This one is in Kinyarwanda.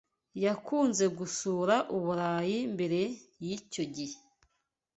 Yakunze gusura Uburayi mbere yicyo gihe.